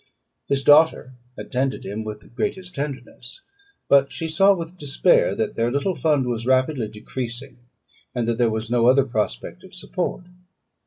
His daughter attended him with the greatest tenderness; but she saw with despair that their little fund was rapidly decreasing, and that there was no other prospect of support.